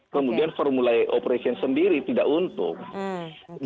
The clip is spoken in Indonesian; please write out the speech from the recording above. kemudian formula e operation sendiri tidak untung